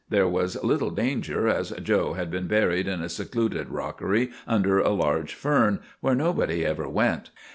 There was little danger, as 'Joe' had been buried in a secluded rockery under a large fern, where nobody ever went.